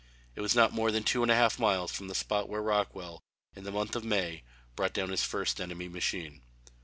It was not more than two and a half miles from the spot where Rockwell, in the month of May, brought down his first enemy machine.